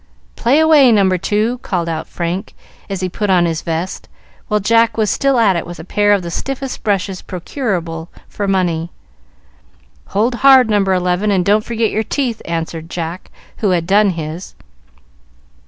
"Play away, No. 2," called out Frank as he put on his vest, while Jack was still at it with a pair of the stiffest brushes procurable for money. "Hold hard, No. 11, and don't forget your teeth," answered Jack, who had done his.